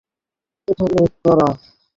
এটা লোড করা।